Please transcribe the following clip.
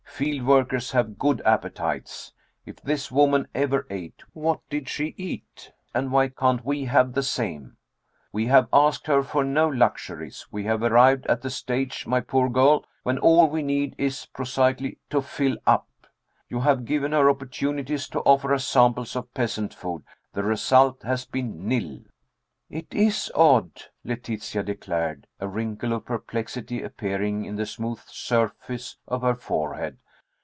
Field workers have good appetites. If this woman ever ate, what did she eat and why can't we have the same? We have asked her for no luxuries. We have arrived at the stage, my poor girl, when all we need is, prosaically, to 'fill up.' You have given her opportunities to offer us samples of peasant food. The result has been nil." "It is odd," Letitia declared, a wrinkle of perplexity appearing in the smooth surface of her forehead.